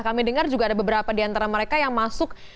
kami dengar juga ada beberapa di antara mereka yang masuk